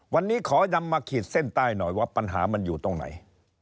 วันนี้ขอนำมาขีดเส้นใต้หน่อยว่าปัญหามันอยู่ตรงไหน